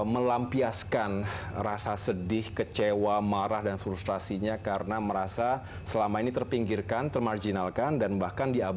melampiaskan rasa sedih kecewa marah dan frustasinya karena merasa selama ini terpinggirkan termarjinalkan dan bahkan diabaiki